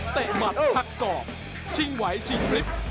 หมัดหักศอกชิงไหวชิงพลิบ